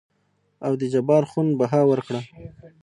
او دې جبار خون بها ورکړه.